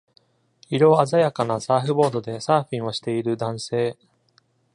色鮮やかなサーフボードでサーフィンをしている男性。